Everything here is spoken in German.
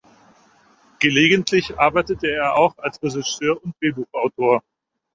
Gelegentlich arbeitete er auch als Regisseur und Drehbuchautor.